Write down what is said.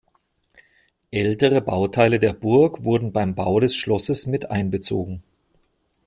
Ältere Bauteile der Burg wurden beim Bau des Schlosses mit einbezogen.